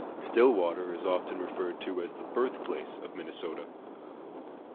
Stillwater is often referred to as the birthplace of Minnesota.